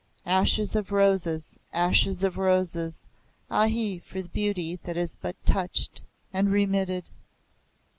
(Ashes of roses ashes of roses! Ahi! for beauty that is but touched and remitted!)